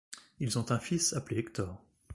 Ils ont un fils appelé Hector.